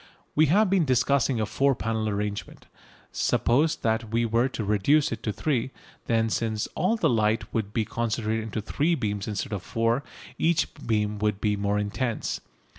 We have been discussing a four panel arrangement. Suppose that we were to reduce it to three. Then, since all the light would be concentrated into three beams instead of four, each beam would be more intense.